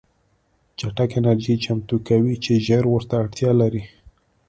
چټکه انرژي چمتو کوي چې ژر ورته اړتیا لري